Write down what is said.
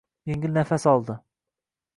Yengil nafas oldi